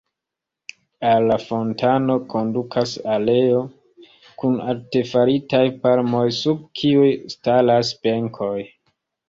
Al la fontano kondukas aleo kun artefaritaj palmoj, sub kiuj staras benkoj.